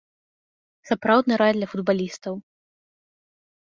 Сапраўдны рай для футбалістаў.